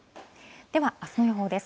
では、あすの予報です。